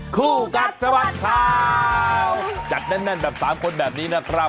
คู่กัดสะบัดข่าวจัดแน่นแน่นแบบสามคนแบบนี้นะครับ